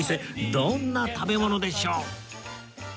どんな食べ物でしょう？